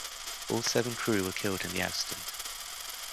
All seven crew were killed in the accident.